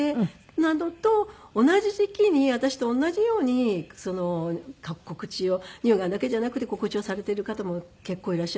なのと同じ時期に私と同じように告知を乳がんだけじゃなくて告知をされている方も結構いらっしゃる。